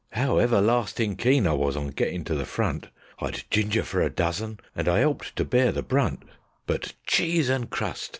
'Ow everlastin' keen I was on gettin' to the front! I'd ginger for a dozen, and I 'elped to bear the brunt; But Cheese and Crust!